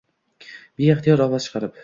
Beixtiyor ovoz chiqarib